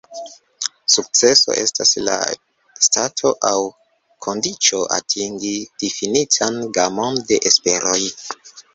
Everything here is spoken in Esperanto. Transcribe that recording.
Sukceso estas la stato aŭ kondiĉo atingi difinitan gamon de esperoj.